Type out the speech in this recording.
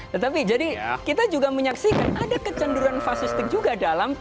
tetapi jadi kita juga menyaksikan ada kecenderungan fasistik juga dalam